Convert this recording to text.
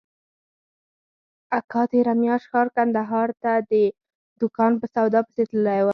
اکا تېره مياشت ښار کندهار ته د دوکان په سودا پسې تللى و.